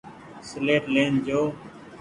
سيليٽ لين جو ۔